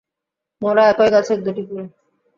মোরা একই গাছের দুটি ফুল।